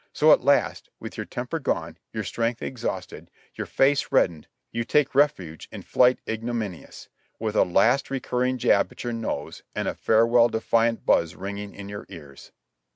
So at last, with your temper gone, your strength exhausted, your face reddened, you take refuge in flight ignominious, with a last re curring jab at your nose and a farewell defiant buzz ringing in your ears.